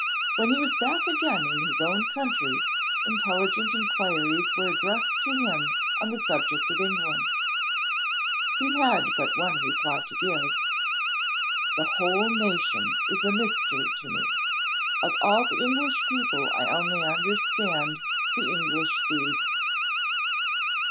When he was back again in his own country, intelligent inquiries were addressed to him on the subject of England. He had but one reply to give. "The whole nation is a mystery to me. Of all the English people I only understand the English thieves!"